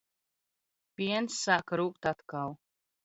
Piens sāka rūgt atkal.